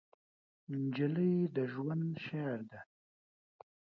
نجلۍ د ژوند شعر ده.